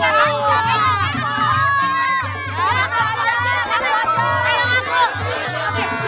ya aku aja aku